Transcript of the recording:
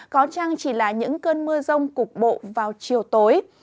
có chăng chỉ là những cơn mưa rông cục bộ vào chiều tối